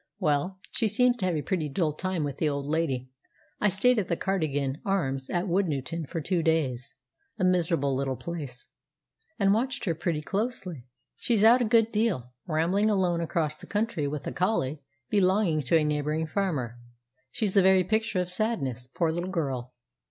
"Well, she seems to have a pretty dull time with the old lady. I stayed at the 'Cardigan Arms' at Woodnewton for two days a miserable little place and watched her pretty closely. She's out a good deal, rambling alone across the country with a collie belonging to a neighbouring farmer. She's the very picture of sadness, poor little girl!"